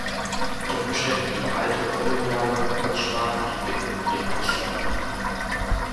Unter Umständen geben alte koloniale oder auch sprachliche Bindungen den Ausschlag.